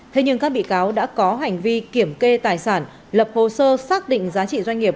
thế nhưng các bị cáo đã có hành vi kiểm kê tài sản lập hồ sơ xác định giá trị doanh nghiệp